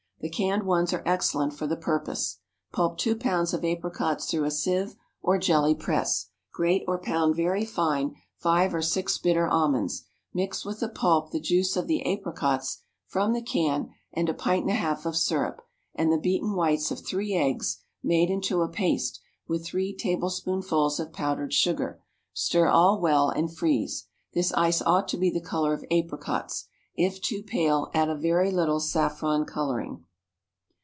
The canned ones are excellent for the purpose. Pulp two pounds of apricots through a sieve or jelly press; grate or pound very fine five or six bitter almonds; mix with the pulp the juice of the apricots (from the can), and a pint and a half of syrup, and the beaten whites of three eggs made into a paste with three tablespoonfuls of powdered sugar; stir all well, and freeze. This ice ought to be the color of apricots; if too pale, add a very little saffron coloring.